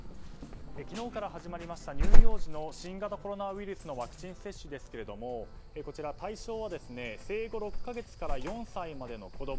昨日から始まった乳幼児の新型コロナウイルスのワクチン接種ですけれども対象は生後６か月から４歳までの子供